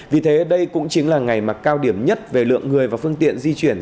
vì thế đây cũng chính là ngày mà cao điểm nhất về lượng người và phương tiện di chuyển